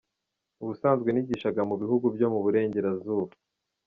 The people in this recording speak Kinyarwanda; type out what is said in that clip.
Ubusanzwe nigishaga mu bihugu byo mu Burengerazuba.